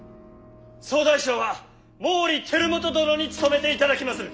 総大将は毛利輝元殿に務めていただきまする。